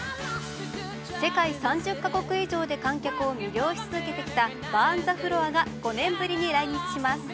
世界３０か国以上で観客を魅了し続けてきた「バーン・ザ・フロア」が５年ぶりに来日します。